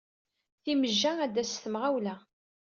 Timejja ad d-tass s temɣawla.